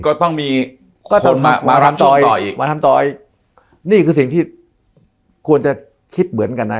ก็ต้องมีคนมามาทำต่อต่ออีกมาทำต่ออีกนี่คือสิ่งที่ควรจะคิดเหมือนกันนะ